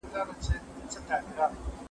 زه پرون د کتابتون لپاره کار کوم،